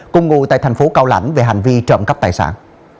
cùng ngụ tại thành phố cao lãnh về hành vi trộm cắp tài sản